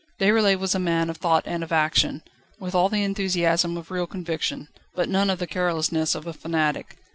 Déroulède was a man of thought and of action, with all the enthusiasm of real conviction, but none of the carelessness of a fanatic.